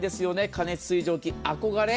過熱水蒸気、憧れ。